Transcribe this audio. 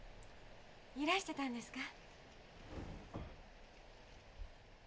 いらしてたんですか。